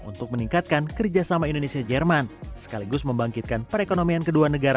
untuk meningkatkan kerjasama indonesia jerman sekaligus membangkitkan perekonomian kedua negara